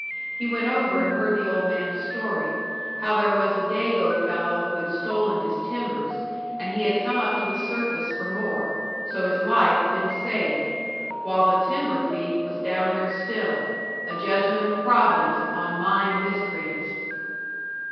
He went over and heard the old man's story how there was a Dago fellow who had stolen his timbers, and he had come up to the surface for more; so his life had been saved, while the timber thief was down there still a judgment of Providence upon mine miscreants!